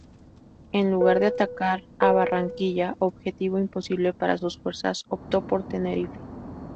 En lugar de atacar a Barranquilla, objetivo imposible para sus fuerzas, optó por Tenerife.